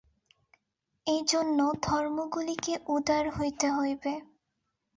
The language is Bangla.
এইজন্য ধর্মগুলিকে উদার হইতে হইবে।